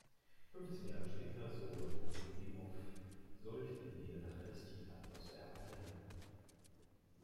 Fünfzehn Jahre später, so Jefimow, sollte ihn die Rache des Diktators ereilen.